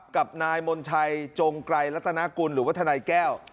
กับนายมนชัยจงไกรรัฐนากุลหรือว่าทนายแก้ว